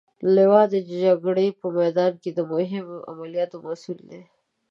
لوا د جګړې په میدان کې د مهمو عملیاتو مسئول دی.